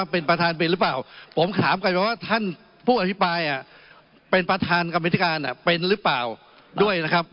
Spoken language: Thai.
เป็นประธานกรรมิติการเป็นหรือเปล่าด้วยนะครับ